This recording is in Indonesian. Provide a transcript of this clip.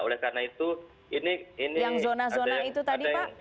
oleh karena itu ini ada yang belum